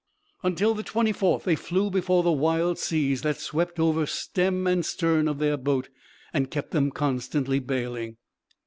Until the 24th they flew before the wild seas that swept over stem and stern of their boat and kept them constantly baling.